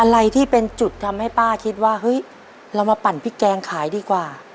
อะไรที่เป็นจุดทำให้ป้าคิดว่าเฮ้ยเรามาปั่นพริกแกงขายดีกว่า